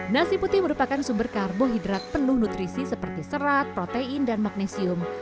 nasi putih merupakan sumber karbohidrat penuh nutrisi seperti serat protein dan magnesium